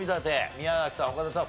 宮崎さん岡田さん